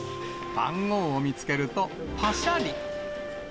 番号を見つけると、ぱしゃり。